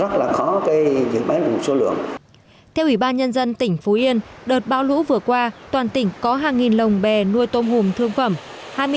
theo ủy ban nhân dân tỉnh phú yên đợt bão lũ vừa qua toàn tỉnh có hàng nghìn lồng bè nuôi tôm hùm thương phẩm